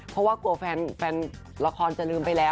เพราะว่ากลัวแฟนละครจะลืมไปแล้ว